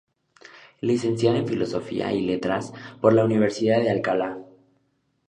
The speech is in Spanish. Licenciada en Filosofía y Letras por la Universidad de Alcalá.